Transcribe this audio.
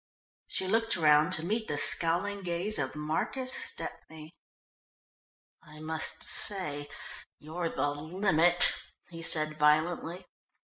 She looked round to meet the scowling gaze of Marcus Stepney. "I must say you're the limit," he said violently.